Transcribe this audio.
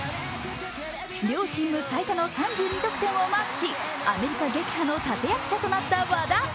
両チーム最多の３２得点をマークし、アメリカ撃破の立役者となった和田。